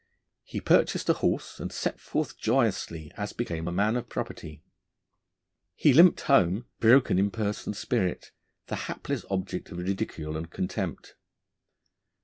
He purchased a horse and set forth joyously, as became a man of property; he limped home, broken in purse and spirit, the hapless object of ridicule and contempt.